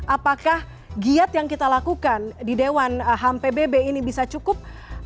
apakah giat yang kita lakukan di dewan ham pbb ini bisa cukup